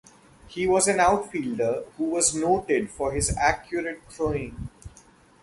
He was an outfielder who was noted for his accurate throwing.